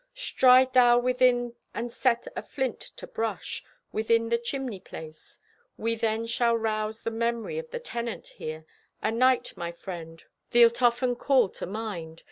Stride thou within and set a flint to brush Within the chimney place. We then shall rouse The memory of the tenant here— A night, my friend, thee'lt often call to mind.